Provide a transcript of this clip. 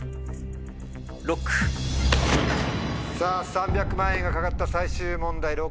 さぁ３００万円が懸かった最終問題